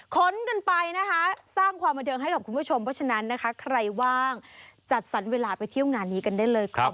ค้นกันไปนะคะสร้างความบันเทิงให้กับคุณผู้ชมเพราะฉะนั้นนะคะใครว่างจัดสรรเวลาไปเที่ยวงานนี้กันได้เลยครับ